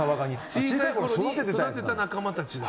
小さいころに育てた仲間たちだ。